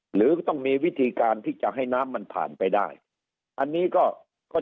หรือต้องมีวิธีการที่จะให้น้ำมันผ่านไปได้อันนี้ก็ก็